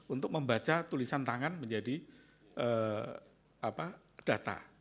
untuk membaca tulisan tangan menjadi data